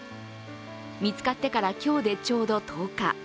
見つかってから今日でちょうど１０日。